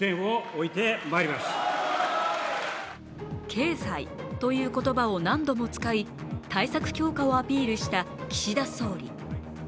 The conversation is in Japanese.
経済という言葉を何度も使い、対策強化をアピールした岸田総理。